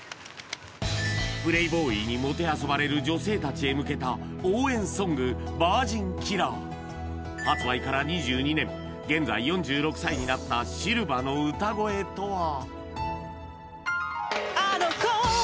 プレイボーイにもてあそばれる女性たちへ向けた応援ソング「ヴァージンキラー」発売から２２年現在４６歳になったＳＩＬＶＡの歌声とは？